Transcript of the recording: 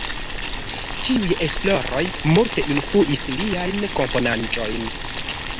Tiuj esploroj multe influis liajn komponaĵojn.